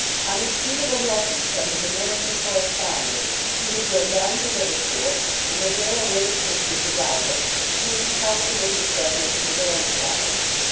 On receipt of a message from his American correspondent he had gone down to Liverpool, and had there awaited Fisker's arrival, taking counsel with his friend Mr. Ramsbottom.